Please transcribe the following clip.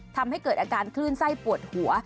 ทำให้เกิดอาการคลื่นไส้ปวดหัว